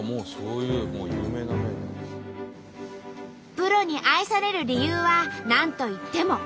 プロに愛される理由は何といっても小麦。